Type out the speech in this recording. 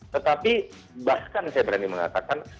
tetapi bahkan saya berani mengatakan